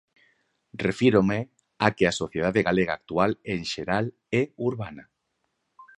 Refírome a que a sociedade galega actual en xeral é urbana.